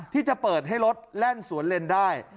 ที่จะเปิดให้รถแล่นสวนเลนได้